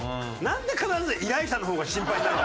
なんで必ず依頼者の方が心配になる。